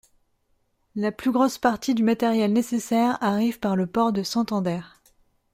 La plus grosse partie du matériel nécessaire arrive par le port de Santander.